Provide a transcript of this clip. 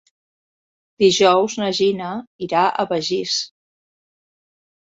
Dijous na Gina irà a Begís.